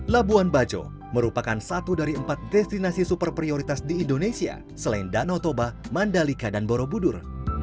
labuan bajo merupakan satu dari empat destinasi super prioritas di indonesia selain danau toba mandalika dan borobudur